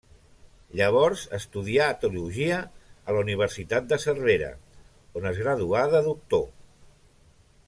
Llavors estudià teologia a la universitat de Cervera, on es graduà de Doctor.